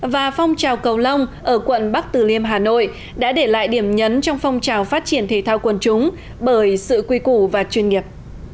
và phong trào cầu lông ở quận bắc từ liêm hà nội đã để lại điểm nhấn trong phong trào phát triển thể thao quần chúng bởi sự quy củ và chuyên nghiệp